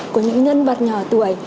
của những nhân vật nhỏ tuổi